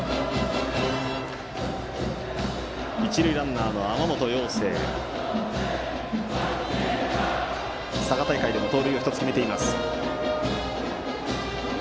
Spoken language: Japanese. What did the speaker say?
一塁ランナーの天本陽晴は佐賀大会でも盗塁を１つ決めています。